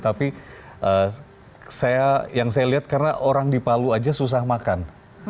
tapi yang saya lihat karena orang di palu aja susah makan